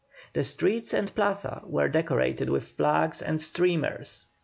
The streets and plaza were decorated with flags and streamers.